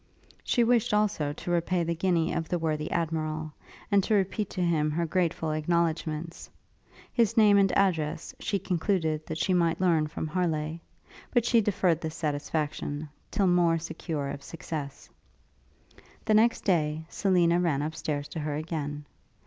She wished, also, to repay the guinea of the worthy Admiral, and to repeat to him her grateful acknowledgements: his name and address she concluded that she might learn from Harleigh; but she deferred this satisfaction till more secure of success. The next day, Selina ran upstairs to her again.